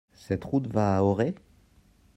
Cette route va à Auray ?